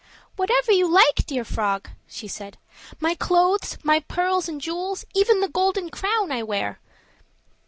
"Whatever you like, dear frog," said she, "my clothes, my pearls and jewels, even the golden crown I wear."